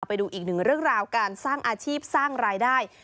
ไปดูอีกหนึ่งเรื่องราวการสร้างอาชีพสร้างรายได้